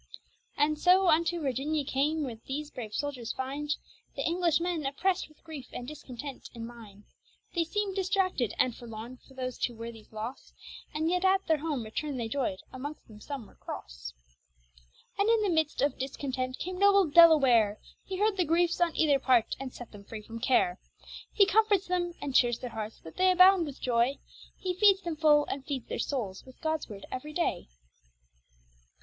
And so unto Virginia came, where these brave soldiers finde The English men opprest with greife and discontent in minde. They seem'd distracted and forlorne, for those two worthyes losse, Yet at their home returne they joy'd, among'st them some were crosse. And in the mid'st of discontent came noble Delaware; He heard the greifes on either part, and sett them free from care. He comforts them and cheeres their hearts, that they abound with joy; He feedes them full and feedes their souls with Gods word every day.